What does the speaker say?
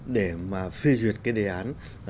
để mà phê duyệt cái đề án